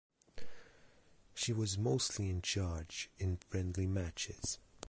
She was mostly in charge in friendly matches.